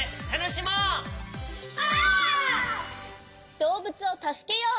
どうぶつをたすけよう！